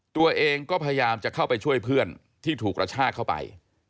ตัวเองก็พยายามจะเข้าไปช่วยเพื่อนที่ถูกกระชากเข้าไป